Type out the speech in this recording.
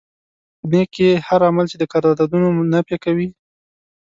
په دې کې هر عمل چې د قراردادونو نفي کوي.